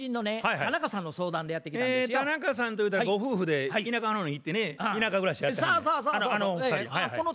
田中さんとゆうたらご夫婦で田舎の方に行ってね田舎暮らしやってはんねや。